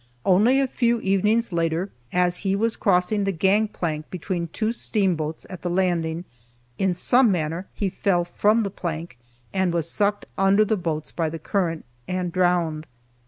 Only a few evenings later, as he was crossing the gang plank between two steamboats at the Landing, in some manner he fell from the plank, and was sucked under the boats by the current, and drowned.